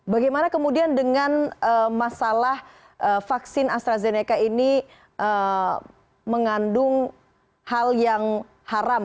bagaimana kemudian dengan masalah vaksin astrazeneca ini mengandung hal yang haram